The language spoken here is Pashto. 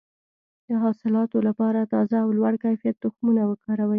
د حاصلاتو لپاره تازه او لوړ کیفیت تخمونه وکاروئ.